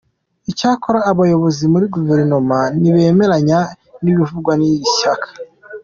Icyakora abayobozi muri guverinoma ntibemeranya n’ibivugwa n’iri shyaka.